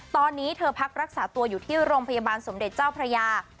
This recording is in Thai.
ตอนนี้เธอพักรักษาตัวอยู่ที่โรงพยาบาลสมเด็จเจ้าพระยา